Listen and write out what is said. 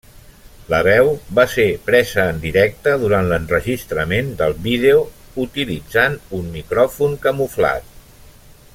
La veu va ser presa en directe durant l'enregistrament del vídeo utilitzant un micròfon camuflat.